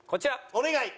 お願い！